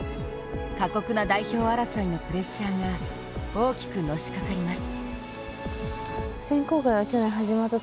過酷な代表争いのプレッシャーが大きくのしかかります。